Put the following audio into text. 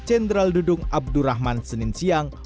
jenderal dudung abdurrahman senin siang